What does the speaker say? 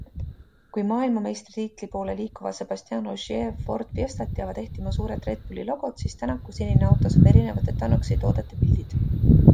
Kui maailmameistritiitli poole liikuva Sebastien Ogier' Ford Fiestat jäävad ehtima suured Red Bulli logod, siis Tänaku sinine auto saab erinevate Tunnock'si toodete pildid.